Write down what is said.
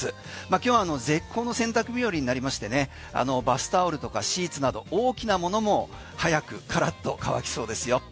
今日絶好の洗濯日和になりましてバスタオルとかシーツなど大きな物も早くカラッと乾きそうですよ。